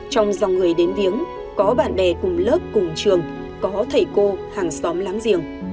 trong dòng người đến viếng có bạn bè cùng lớp cùng trường có thầy cô hàng xóm láng giềng